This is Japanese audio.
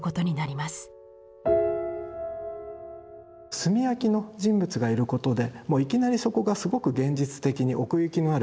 炭焼きの人物がいることでもういきなりそこがすごく現実的に奥行きのある空間になってしまう。